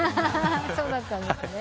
そうだったんですね。